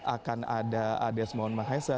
akan ada desmond mahesa